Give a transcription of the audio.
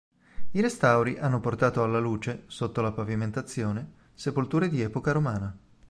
I restauri hanno portato alla luce, sotto la pavimentazione, sepolture di epoca romana.